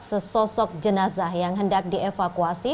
sesosok jenazah yang hendak dievakuasi